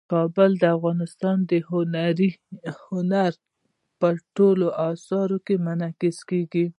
کابل د افغانستان د هنر په ټولو اثارو کې منعکس کېږي.